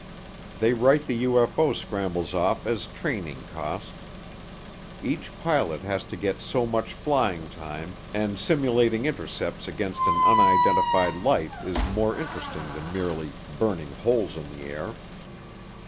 They write the UFO scrambles off as training cost. Each pilot has to get so much flying time and simulating intercepts against an unidentified light is more interesting than merely "burning holes in the air."